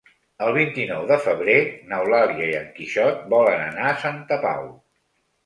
El vint-i-nou de febrer n'Eulàlia i en Quixot volen anar a Santa Pau.